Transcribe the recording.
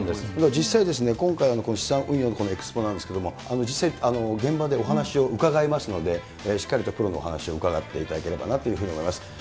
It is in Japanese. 実際、今回の資産運用の、このエクスポなんですけれども、実際、現場でお話を伺えますので、しっかりとプロのお話を伺っていただければなというふうに思います。